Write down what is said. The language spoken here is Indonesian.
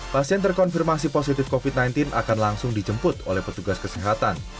pasien terkonfirmasi positif covid sembilan belas akan langsung dijemput oleh petugas kesehatan